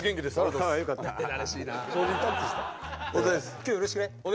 今日よろしくね。